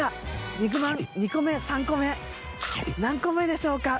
肉まん２個目３個目何個目でしょうか